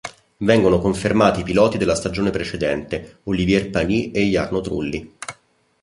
Vengono confermati i piloti della stagione precedente, Olivier Panis e Jarno Trulli.